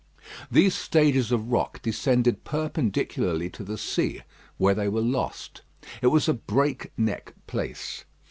These stages of rock descended perpendicularly to the sea, where they were lost. It was a break neck place.